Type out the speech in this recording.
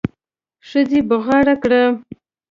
ښځې بغاره کړه.